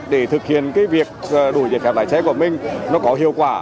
để thực hiện việc đổi giải phép đại trẻ của mình có hiệu quả